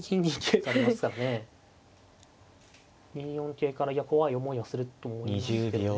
桂から怖い思いをすると思いますけどね。